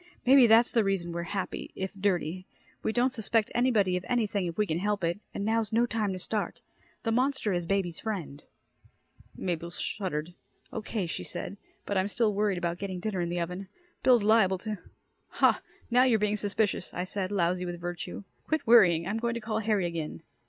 Maybe that's the reason we're happy if dirty. We don't suspect anybody of anything if we can help it and now's no time to start. The monster is baby's friend." Mabel shuddered. "Okay," she said. "But I'm still worried about getting dinner in the oven. Bill's liable to " "Hah, now you're being suspicious," I said, lousy with virtue. "Quit worrying. I'm going to call Harry again."